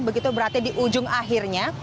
begitu berarti di ujung akhirnya